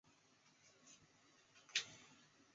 罗崇文退休后由李天柱接任其岗位。